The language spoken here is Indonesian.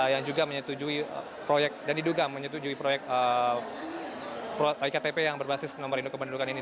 yang juga menyetujui proyek dan diduga menyetujui proyek iktp yang berbasis nomor induk kependudukan ini